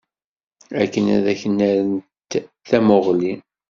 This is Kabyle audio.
Akken ad ak-n-rrent tamuɣli.